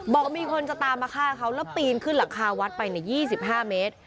บอกว่ามีคนจะตามมาฆ่าเขาแล้วปีนขึ้นหลังคาวัดไป๒๕เมตร